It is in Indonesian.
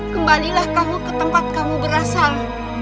kembalilah kamu ke tempat kamu berasal